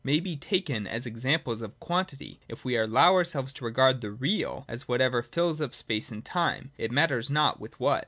may be taken as examples of Quantity, if we allow ourselves to regard the real as whatever fills up space and time, it matters not with what.